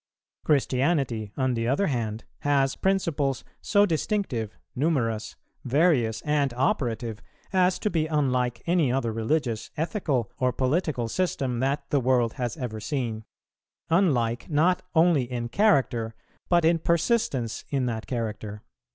Christianity, on the other hand, has principles so distinctive, numerous, various, and operative, as to be unlike any other religious, ethical, or political system that the world has ever seen, unlike, not only in character, but in persistence in that character.